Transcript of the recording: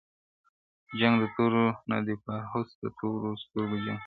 جنګ د تورو نه دییارهاوس د تورو سترګو جنګ دی.